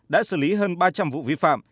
đã xử lý hơn ba trăm linh vụ vi phạm